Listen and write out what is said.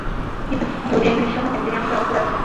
কিন্তু যদি একজন ঈশ্বর থাকেন, তিনি আমাদের অন্তরে আছেন।